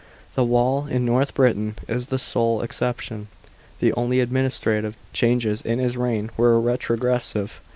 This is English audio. The wall in North Britain is the sole exception. The only administra tive changes in his reign were retrogressive.